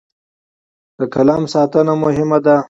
د قلم ساتنه مهمه ده.